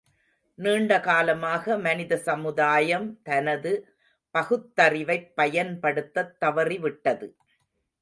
நீண்ட காலமாக மனிதசமுதாயம் தனது பகுத்தறிவைப் பயன்படுத்தத் தவறிவிட்டது.